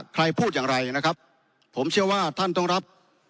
ใครพูดอย่างไรนะครับผมเชื่อว่าท่านต้องรับ